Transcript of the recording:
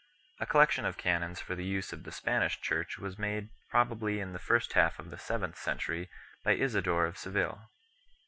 A collection of canons for the use of the Spanish Church was made probably in the first half of the seventh century by Isidore of Seville 1